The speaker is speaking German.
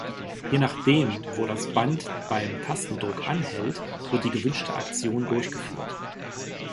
Je nachdem, wo das Band beim Tastendruck anhält, wird die gewünschte Aktion durchgeführt.